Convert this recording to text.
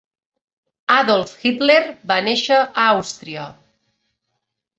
Adolf Hitler va néixer a Àustria